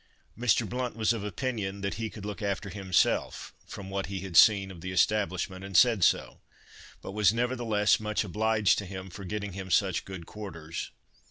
Mr. Blount was of opinion that he could look after himself from what he had seen of the establishment, and said so, but "was nevertheless much obliged to him for getting him such good quarters."